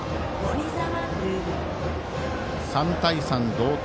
３対３、同点。